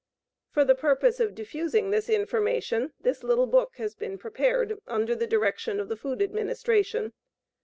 For the purpose of diffusing this information this little book has been prepared under the direction of the Food Administration.